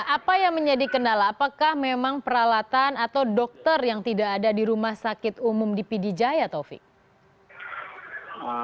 apa yang menjadi kendala apakah memang peralatan atau dokter yang tidak ada di rumah sakit umum di pd jaya taufik